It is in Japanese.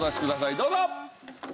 どうぞ！